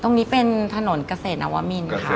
ตรงนี้เป็นถนนเกษตรนวมินค่ะ